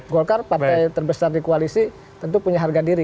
golkar partai terbesar di koalisi tentu punya harga diri